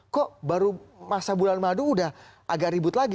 kok baru masa bulan madu udah agak ribut lagi